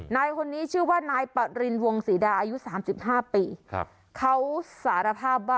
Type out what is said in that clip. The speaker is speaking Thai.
นายคนนี้ชื่อว่านายปรินวงศรีดาอายุสามสิบห้าปีครับ